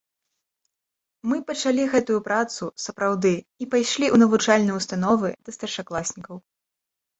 Мы пачалі гэтую працу, сапраўды, і пайшлі ў навучальныя ўстановы, да старшакласнікаў.